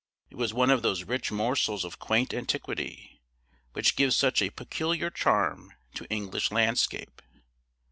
It was one of those rich morsels of quaint antiquity, which gives such a peculiar charm to English landscape.